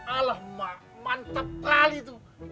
alah mak mantap sekali tuh